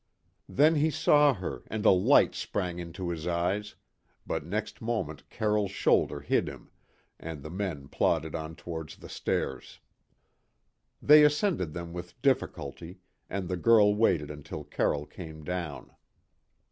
Then he saw her and a light sprang into his eyes, but next moment Carroll's shoulder hid him, and the men plodded on towards the stairs. They ascended them with difficulty, and the girl waited until Carroll came down.